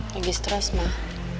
lagi seterus mah